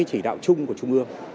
chỉ đạo chung của trung ương